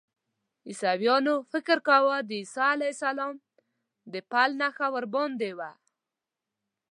عیسویانو فکر کاوه د عیسی علیه السلام د پل نښه ورباندې وه.